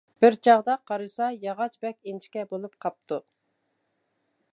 بىر چاغدا قارىسا، ياغاچ بەك ئىنچىكە بولۇپ قاپتۇ.